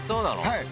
はい。